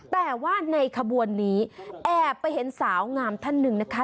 แต่ว่าในขบวนนี้แอบไปเห็นสาวงามท่านหนึ่งนะคะ